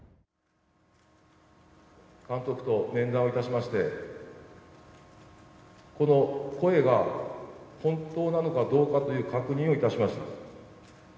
監督と面談をいたしまして、この声が本当なのかどうかという確認をいたしました。